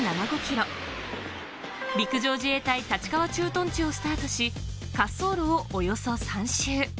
陸上自衛隊立川駐屯地をスタートし、滑走路をおよそ３周。